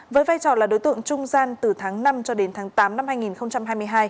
với vai trò là đối tượng trung gian từ tháng năm cho đến tháng tám năm hai nghìn hai mươi hai